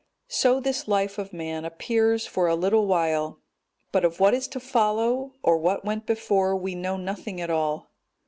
So this life of man appears for a little while, but of what is to follow or what went before we know nothing at all.